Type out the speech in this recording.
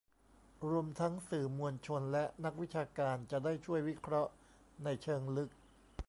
รวมทั้งสื่อมวลชน และ นักวิชาการจะได้ช่วยวิเคราะห์ในเชิงลึก